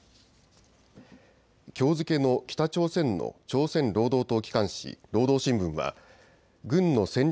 きょう付けの北朝鮮の朝鮮労働党機関紙、労働新聞は軍の戦略